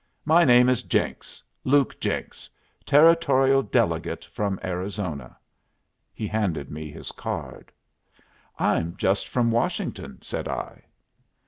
My name is Jenks; Luke Jenks, Territorial Delegate from Arizona." He handed me his card. "I'm just from Washington," said I.